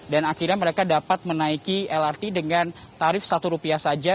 dan akhirnya mereka dapat menaiki lrt dengan tarif satu rupiah saja